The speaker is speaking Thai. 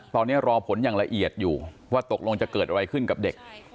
ตอนนี้รอผลอย่างละเอียดอยู่ว่าตกลงจะเกิดอะไรขึ้นกับเด็ก